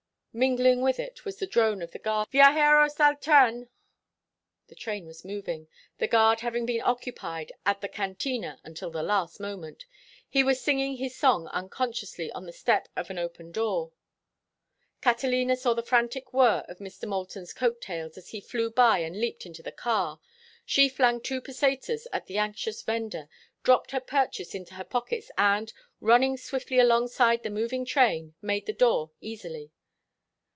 Mingling with it was the drone of the guard: "Viajeros al tren!" The train was moving, the guard having been occupied at the cantina until the last moment. He was singing his song unconsciously on the step of an open door. Catalina saw the frantic whir of Mr. Moulton's coat tails as he flew by and leaped into the car. She flung two pesetas at the anxious vender, dropped her purchase into her pockets, and, running swiftly alongside the moving train, made the door easily.